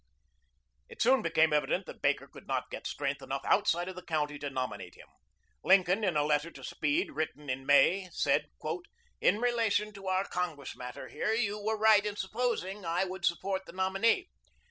It soon became evident that Baker could not get strength enough outside of the county to nominate him. Lincoln in a letter to Speed, written in May, said: "In relation to our Congress matter here, you were right in supposing I would support the nominee.